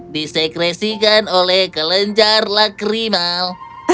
disekresikan oleh kelencar lakrimal